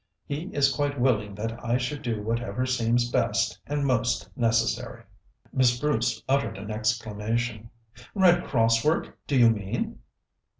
He is quite willing that I should do whatever seems best and most necessary." Miss Bruce uttered an exclamation. "Red Cross work, do you mean?"